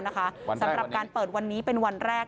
สำหรับการเปิดวันนี้เป็นวันแรก